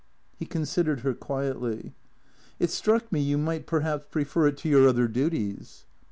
He considered her quietly. " It struck me you might perhaps prefer it to your other duties."